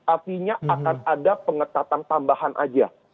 artinya akan ada pengetatan tambahan aja